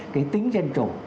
cái tính dân chủ